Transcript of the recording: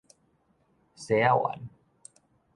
西仔灣